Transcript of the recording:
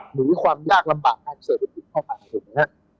หรือความยากลำบากทางเศรษฐกิจเข้าไปถูกไหมฮะ